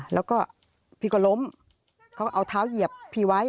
แล้วก็พี่ก็ล้มเขาเอาเท้าเหยียบพี่ไว้